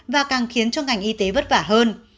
và càng khiến cho ngành y tế vất vả hơn